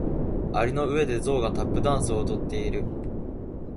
蟻の上でゾウがタップダンスを踊っている。